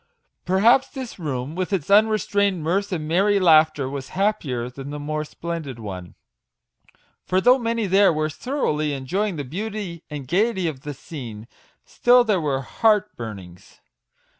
Perhaps this room, with its unrestrained mirth and merry laughter, was happier than the more splendid one; for though many there were thoroughly enjoying the beauty and gaiety of the scene, still there were heart burnings.